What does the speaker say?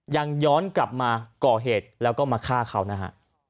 ยังย้อนกลับมาก่อเหตุแล้วก็มาฆ่าเขานะฮะ